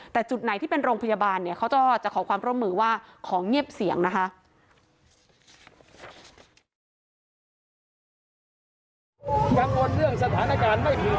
แต่จุดไหนที่เป็นโรงพยาบาลเนี่ยเขาก็จะขอความร่วมมือว่าของเงียบเสียงนะคะ